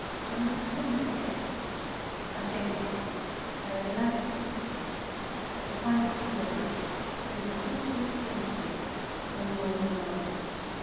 On a pattern like this, by daylight, there is a lack of sequence, a defiance of law, that is a constant irritant to a normal mind.